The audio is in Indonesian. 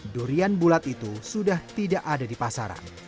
durian bulat itu sudah tidak ada di pasaran